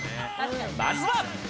まずは。